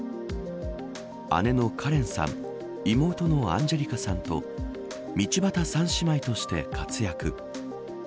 姉のカレンさん妹のアンジェリカさんと道端３姉妹として活躍。